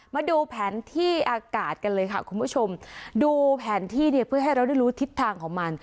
มาดูแผนที่อากาศกันเลยค่ะคุณผู้ชมดูแผนที่เนี่ยเพื่อให้เราได้รู้ทิศทางของมัน